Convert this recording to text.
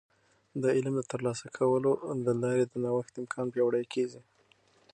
د علم د ترلاسه کولو د لارې د نوښت امکان پیاوړی کیږي.